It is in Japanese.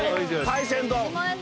海鮮丼。